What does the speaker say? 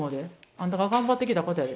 あんたが頑張ってきたことやで。